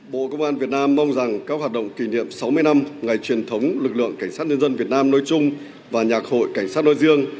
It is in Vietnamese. bộ công an việt nam mong rằng các hoạt động kỷ niệm sáu mươi năm ngày truyền thống lực lượng cảnh sát nhân dân việt nam nói chung và nhạc hội cảnh sát nói riêng